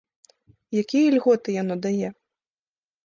Якія льготы яно дае?